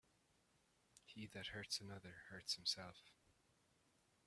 He that hurts another, hurts himself.